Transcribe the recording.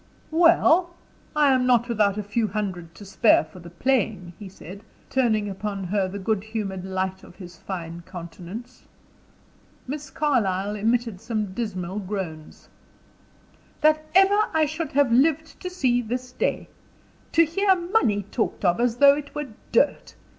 "Well? I am not without a few hundred to spare for the playing," he said, turning upon her the good humored light of his fine countenance. Miss Carlyle emitted some dismal groans. "That ever I should have lived to see this day! To hear money talked of as though it were dirt.